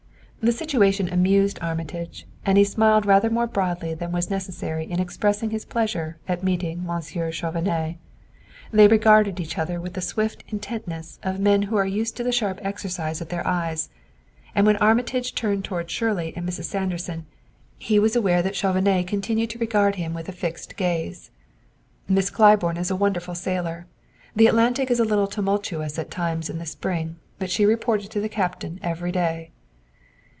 The situation amused Armitage and he smiled rather more broadly than was necessary in expressing his pleasure at meeting Monsieur Chauvenet. They regarded each other with the swift intentness of men who are used to the sharp exercise of their eyes; and when Armitage turned toward Shirley and Mrs. Sanderson, he was aware that Chauvenet continued to regard him with fixed gaze. "Miss Claiborne is a wonderful sailor; the Atlantic is a little tumultuous at times in the spring, but she reported to the captain every day."